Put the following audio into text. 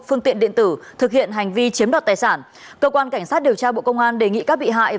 phương tiện điện tử thực hiện hành vi chiếm đoạt tài sản cơ quan cảnh sát điều tra bộ công an đề nghị các bị hại